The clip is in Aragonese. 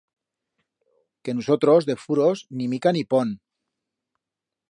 Que nusotros, de furos, ni mica ni pont.